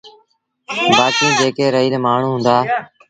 بآڪيٚن جيڪي رهيٚل مآڻهوٚݩ هُݩدآ۔